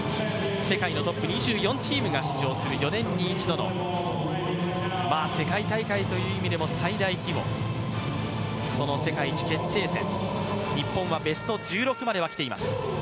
世界のトップ２４チームが出場する、４年に１度の、世界大会という意味でも最大規模その世界一決定戦、日本はベスト１６までは来ています。